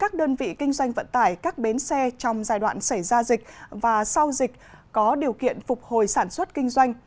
các đơn vị kinh doanh vận tải các bến xe trong giai đoạn xảy ra dịch và sau dịch có điều kiện phục hồi sản xuất kinh doanh